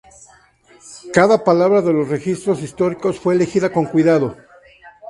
Cada palabra de los registros históricos fue elegida con cuidado.